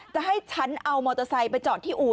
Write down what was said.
จะให้ฉันเอามอเตอร์ไซค์ไปจอดที่อู่